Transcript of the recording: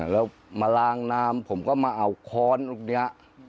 แล้วมาล้างน้ำผมก็มาเอาค้อนลูกนี้